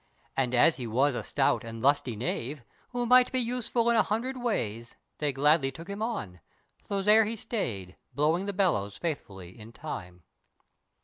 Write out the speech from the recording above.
And as he was a stout and lusty knave Who might be useful in a hundred ways, They gladly took him on, so there he stayed Blowing the bellows faithfully in time.